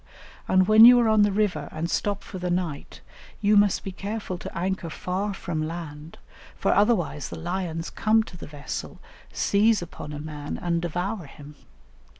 And when you are on the river and stop for the night, you must be careful to anchor far from land, for otherwise the lions come to the vessel, seize upon a man, and devour him.